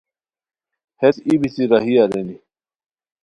ہیت ای بیتی راہی ارینی